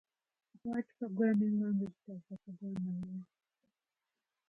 What programming language does the programmer use?